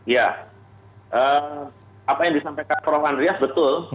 ya apa yang disampaikan prof andreas betul